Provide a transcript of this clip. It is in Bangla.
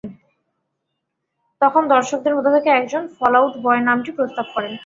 তখন দর্শকদের মধ্য থেকে একজন ‘ফল আউট বয়’ নামটি প্রস্তাব করেন।